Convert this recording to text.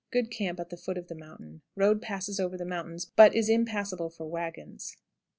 Good camp at the foot of the mountain. Road passes over the mountains, but is impassable for wagons. 90.